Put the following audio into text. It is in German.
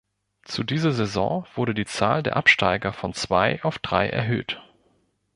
Zu dieser Saison wurde die Zahl der Absteiger von zwei auf drei erhöht.